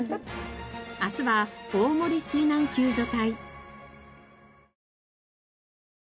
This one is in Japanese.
明日は大森水難救助隊。